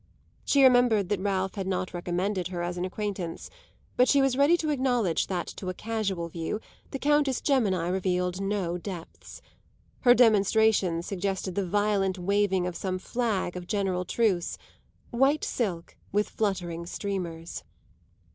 She remembered that Ralph had not recommended her as an acquaintance; but she was ready to acknowledge that to a casual view the Countess Gemini revealed no depths. Her demonstrations suggested the violent waving of some flag of general truce white silk with fluttering streamers.